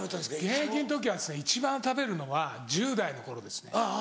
現役の時は一番食べるのは１０代の頃ですね